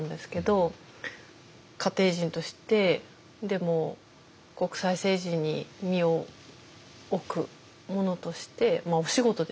家庭人としてでも国際政治に身を置く者としてまあお仕事ですよね。